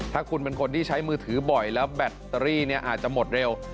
ถ้าคุณเป็นคนที่ใช้มือถือบ่อยแล้วแบตเตอรี่อาจจะหมดเร็ว